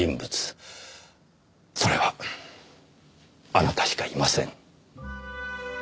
それはあなたしかいません。